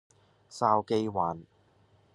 筲箕灣